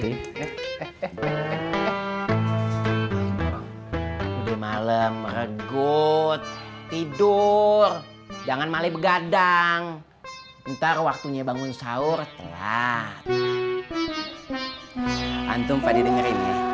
udah malam regut tidur jangan mali begadang ntar waktunya bangun sahur